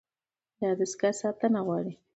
دا دستګاه ساتنه غواړي.